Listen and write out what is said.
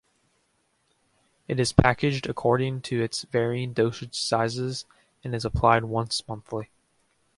It is packaged according to its varying dosage sizes, and is applied once monthly.